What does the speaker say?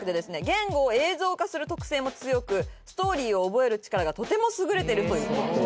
言語を映像化する特性も強くストーリーを覚える力がとても優れてるということです